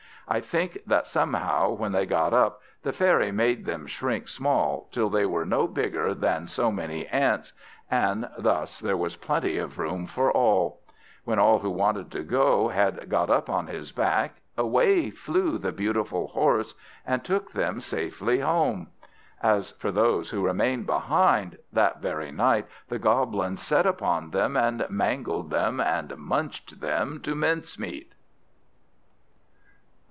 I think that somehow, when they got up, the fairy made them shrink small, till they were no bigger than so many ants, and thus there was plenty of room for all. When all who wanted to go had got up on his back, away flew the beautiful horse and took them safely home. As for those who remained behind, that very night the Goblins set upon them and mangled them, and munched them to mincemeat.